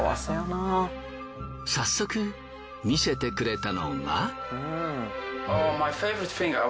早速見せてくれたのが。